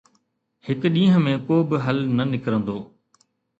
هڪ ڏينهن ۾ ڪو به حل نه نڪرندو.